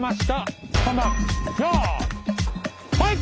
はい。